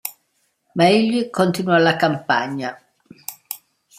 Ma egli continuò la campagna.